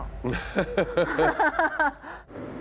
ハハハハ！